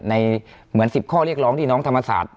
เหมือน๑๐ข้อเรียกร้องที่น้องธรรมศาสตร์